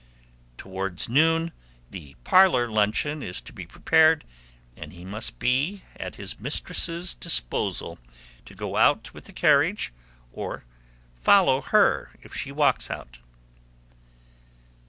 Towards noon, the parlour luncheon is to be prepared; and he must be at his mistress's disposal to go out with the carriage, or follow her if she walks out.